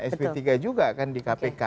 sp tiga juga kan di kpk